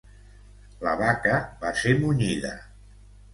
La vaca va ser munyida.